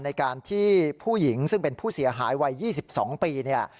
ในการที่ผู้หญิงซึ่งเป็นผู้เสียหายวัย๒๒ปีเนี่ย